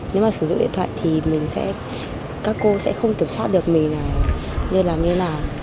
nếu mà sử dụng điện thoại thì mình sẽ các cô sẽ không kiểm soát được mình là nên làm như thế nào